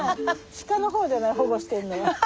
鹿の方じゃない保護してるのは。